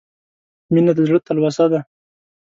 • مینه د زړه تلوسه ده.